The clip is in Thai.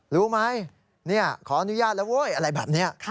รู้ไหมขออนุญาตแล้วเว้ยอะไรแบบนี้